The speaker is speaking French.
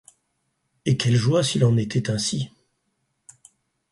Et quelle joie s’il en était ainsi!